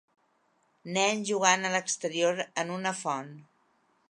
Nens jugant a l'exterior en una font.